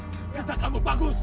kejadian kamu bagus